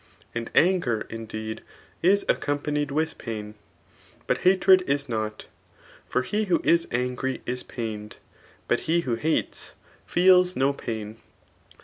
And anger, indeed, is accompanied wkh pun; but hatred is not ; for he who is angry is pained; bat he who hates feels no pain.